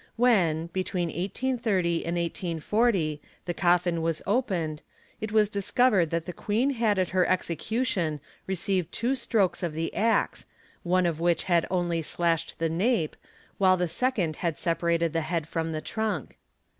When, between 1830 and 1840, the coffin was opened, it was discovered that the Queen had at her execution received two strokes of | the axe, one of which had only slashed the nape, while the second had separated the head from the trunk.